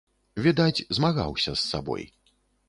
Відаць, змагаўся з сабой.